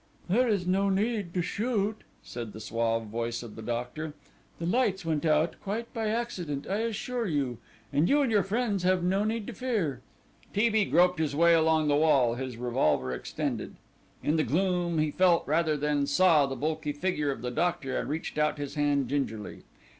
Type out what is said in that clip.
"There is no need to shoot," said the suave voice of the doctor; "the lights went out, quite by accident, I assure you, and you and your friends have no need to fear." T. B. groped his way along the wall, his revolver extended. In the gloom he felt rather than saw the bulky figure of the doctor and reached out his hand gingerly.